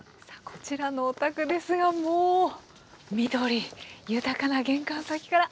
こちらのお宅ですがもう緑豊かな玄関先から。